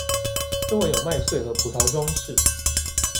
周围有麦穗和葡萄装饰。